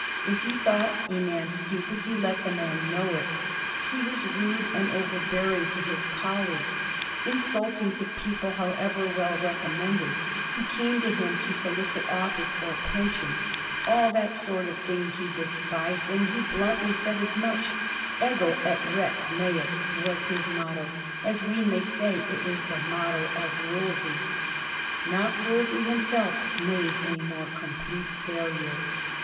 If he thought a man stupid he let the man know it. He was rude and overbearing to his colleagues ; insulting to people, how ever well recommended, who came to him to solicit office or pension. All that sort of thing he despised, and he bluntly said as much. ^^ Ego et rex mens " was his motto, as we may say it was the motto of Wolsey. Not Wolsey himself made a more complete failure.